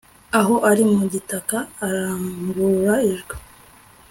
aho ari mu gitaka arangurura ijwi